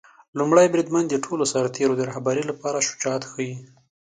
لومړی بریدمن د ټولو سرتیرو د رهبری لپاره شجاعت ښيي.